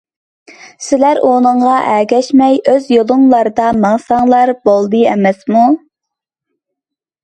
سىلەر ئۇنىڭغا ئەگەشمەي ئۆز يولۇڭلاردا ماڭساڭلارلا بولدى ئەمەسمۇ.